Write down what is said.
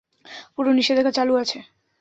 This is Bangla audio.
পুরো নিষেধাজ্ঞা চালু আছে।